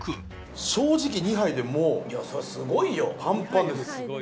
正直２杯でもうパンパンです。